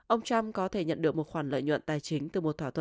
ông trump có thể nhận được một khoản lợi nhuận tài chính